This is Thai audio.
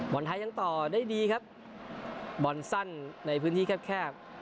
บอลไทยยังต่อได้ดีครับบอลสั้นในพื้นที่แคบแคบ